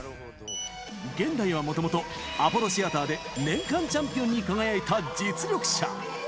ゲンダイはもともと、アポロシアターで年間チャンピオンに輝いた実力者。